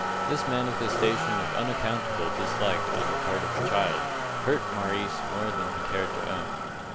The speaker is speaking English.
This manifestation of unaccountable dislike on the part of the child hurt Maurice more than he cared to own.